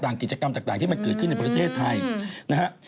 กิจกรรมต่างที่มันเกิดขึ้นในประเทศไทยนะฮะ